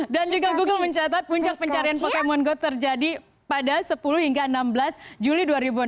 dan juga google mencatat puncak pencarian pokemon go terjadi pada sepuluh hingga enam belas juli dua ribu enam belas